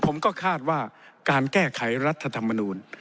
ผมก็คาดว่าการแก้ไขรัฐธรรมนูล